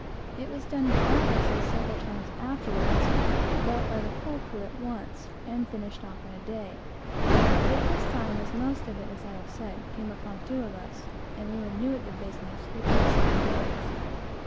It was done in our vessel several times afterwards, but by the whole crew at once, and finished off in a day; but at this time, as most of it came upon two of us, and we were new at the business, it took us several days.